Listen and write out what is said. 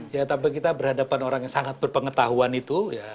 ya tapi kita berhadapan orang yang sangat berpengetahuan itu